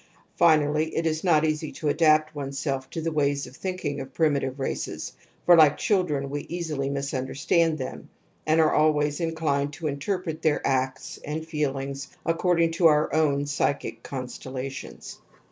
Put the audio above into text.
Finally, it is not easy to adapt oneself to the wa3rs of thinking of primitive races. For like children, we easily misunderstand them, and are always inclined to inter pret their acts and feelings according to our own psychic oonstella itions.